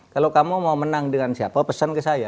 kalau kamu mau menang dengan siapa pesan ke saya